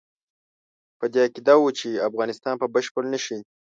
په دې عقیده وو چې افغانستان به بشپړ نه شي.